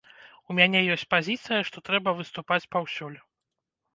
У мяне ёсць пазіцыя, што трэба выступаць паўсюль.